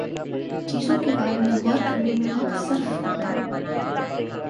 چیزوں کے بارے میں غور کرنے میں وقت صرف کرتا ہوں